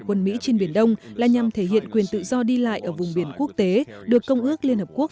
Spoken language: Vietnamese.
quân mỹ trên biển đông là nhằm thể hiện quyền tự do đi lại ở vùng biển quốc tế được công ước